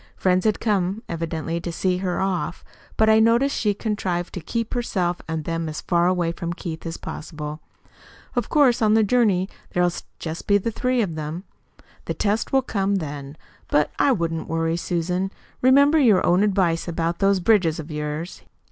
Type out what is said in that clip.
Friends had come evidently to see her off, but I noticed she contrived to keep herself and them as far away from Keith as possible. Of course, on the journey there'll be just the three of them. The test will come then. But I wouldn't worry, Susan. Remember your own advice about those bridges of yours.